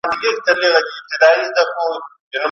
بله هیڅ لیدله نه شي په دا مینځ کښي